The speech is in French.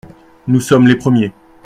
Nous sommes les premiers.